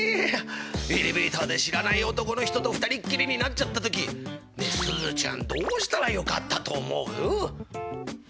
エレベーターで知らない男の人と二人っきりになっちゃった時スズちゃんどうしたらよかったと思う？